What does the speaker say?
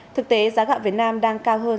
thực tế giá gạo việt nam đang cao hơn